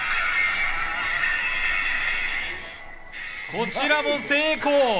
こちらも成功。